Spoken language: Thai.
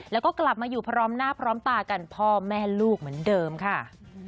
แล้วก็กลับมาอยู่พร้อมหน้าพร้อมตากันพ่อแม่ลูกเหมือนเดิมค่ะ